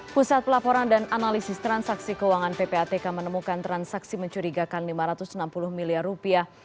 pusat pelaporan dan analisis transaksi keuangan ppatk menemukan transaksi mencurigakan lima ratus enam puluh miliar rupiah